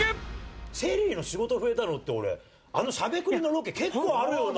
ＳＨＥＬＬＹの仕事増えたのってあのしゃべくりのロケ、結構あるような。